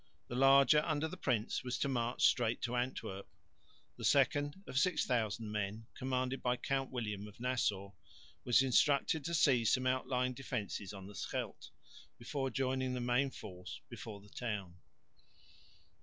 The larger under the prince was to march straight to Antwerp. The second, of 6000 men, commanded by Count William of Nassau, was instructed to seize some outlying defences on the Scheldt before joining the main force before the town.